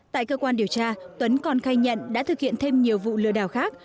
tại cơ quan điều tra tuấn còn khai nhận đã thực hiện thêm nhiều vụ lừa đảo khác